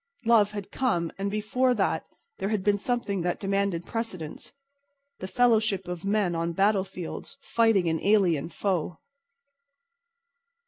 Love had come, but before that there had been something that demanded precedence—the fellowship of men on battlefields fighting an alien foe.